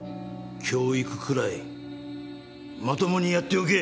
教育くらいまともにやっておけ。